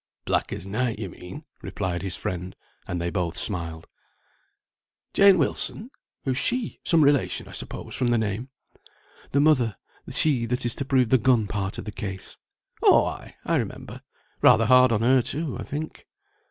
"Black as night, you mean," replied his friend; and they both smiled. "Jane Wilson! who's she? some relation, I suppose, from the name." "The mother, she that is to prove the gun part of the case." "Oh, ay I remember! Rather hard on her, too, I think."